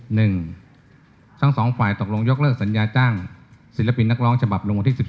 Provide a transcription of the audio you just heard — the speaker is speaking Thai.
หนึ่งทั้งสองฝ่ายตกลงยกเลิกสัญญาจ้างศิลปินนักร้องฉบับลงวันที่๑๔